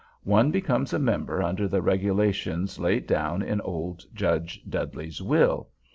One becomes a member under the regulations laid down in old Judge Dudley's will.